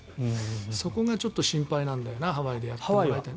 そこがちょっと心配なんだよなハワイでやってもらいたいけど。